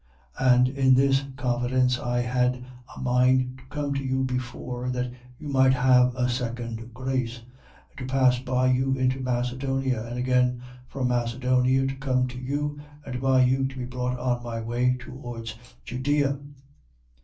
1:15. And in this confidence I had a mind to come to you before, that you might have a second grace: 1:16. And to pass by you into Macedonia: and again from Macedonia to come to you, and by you to be brought on my way towards Judea.